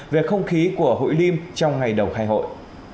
về không khí của hội liêm trong ngày đầu khai hội